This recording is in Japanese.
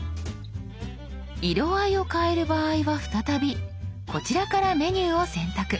色合いを変える場合は再びこちらからメニューを選択。